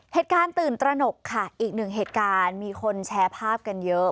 เหตุการณ์ตื่นตระหนกค่ะอีกหนึ่งเหตุการณ์มีคนแชร์ภาพกันเยอะ